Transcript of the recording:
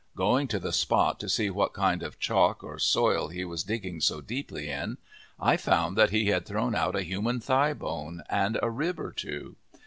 Going to the spot to see what kind of chalk or soil he was digging so deeply in, I found that he had thrown out a human thigh bone and a rib or two.